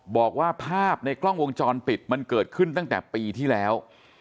บอกว่าภาพในกล้องวงจรปิดมันเกิดขึ้นตั้งแต่ปีที่แล้ว